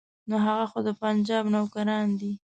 نو هغه خو د پنجاب نوکران دي.